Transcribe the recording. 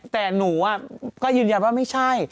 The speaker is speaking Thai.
แต่หนูก็ยืนยันว่าไม่ใช่